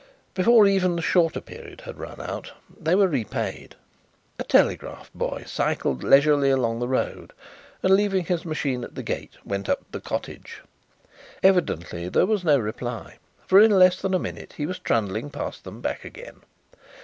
Before even the shorter period had run out they were repaid. A telegraph boy cycled leisurely along the road, and, leaving his machine at the gate, went up to the cottage. Evidently there was no reply, for in less than a minute he was trundling past them back again.